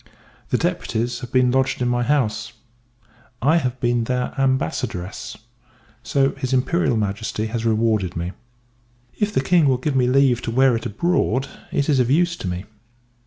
The deputies have been lodged in my house; I have been their Ambassadress, so his [I.]M. has rewarded me. If the King will give me leave to wear it abroad, it is of use to me.